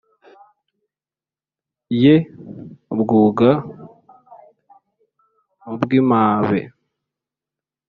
y’e bwuga mu bw’impabe